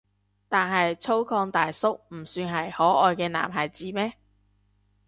但係粗獷大叔唔算係可愛嘅男孩子咩？